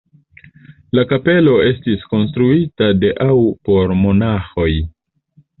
La kapelo estis konstruita de aŭ por monaĥoj.